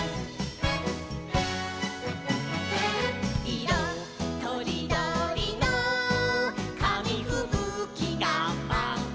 「いろとりどりのかみふぶきがまう」